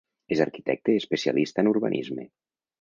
És arquitecte i especialista en urbanisme.